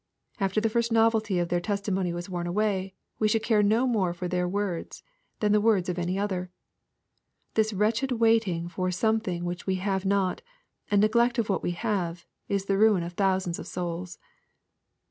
After the first novelty of their testi mony was worn away, we should care no more for theii words than the words of any other. This wretched wait ing for something which we have not, and neglect of what we have, is the ruin of thousands of souls.